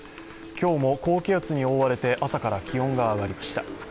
今日も高気圧に覆われて朝から気温が上がりました。